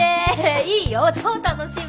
いいよ超楽しみ。